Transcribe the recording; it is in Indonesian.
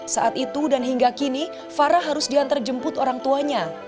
saat itu dan hingga kini farah harus diantar jemput orang tuanya